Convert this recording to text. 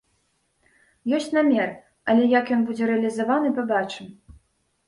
Ёсць намер, але як ён будзе рэалізаваны, пабачым.